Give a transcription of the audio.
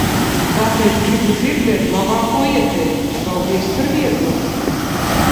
Tāpēc gribu dzirdēt labāko ieteikumu. Paldies par viedokli!